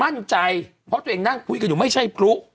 มั่นใจเพราะตัวเองนั่งคุยกันอยู่ไม่ใช่พลุ